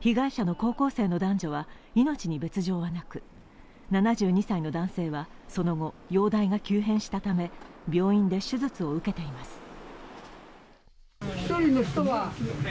被害者の高校生の男女は命に別状はなく、７２歳の男性はその後、容体が急変したため、病院で手術を受けています。